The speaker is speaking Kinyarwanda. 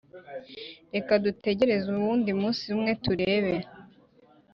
reka dutegereze uwundi munsi umwe turebe